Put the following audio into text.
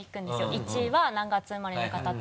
１位は何月生まれの方って。